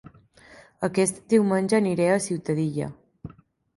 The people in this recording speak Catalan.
Aquest diumenge aniré a Ciutadilla